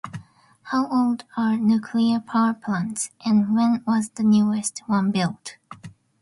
How old are nuclear power plants, and when was the newest one built?